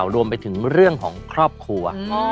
รวมไปถึงเรื่องของครอบครัว